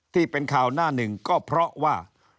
ที่เป็นข่าวหน้าหนึ่งก็เพราะว่า